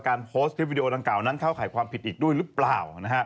โพสต์คลิปวิดีโอดังกล่านั้นเข้าข่ายความผิดอีกด้วยหรือเปล่า